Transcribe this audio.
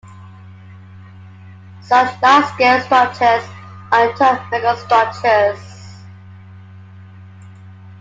Such large-scale structures are termed megastructures.